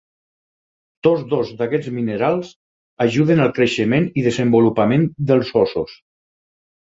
Tots dos d'aquests minerals ajuden al creixement i desenvolupament dels ossos.